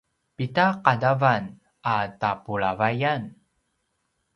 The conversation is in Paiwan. pida qadawan a tapulavayan?